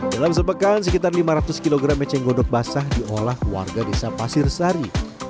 dalam sepekan sekitar lima ratus kg eceng gondok basah diolah warga desa pasir sari